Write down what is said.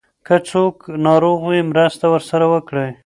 که څوک ناروغ وي مرسته ورسره وکړئ.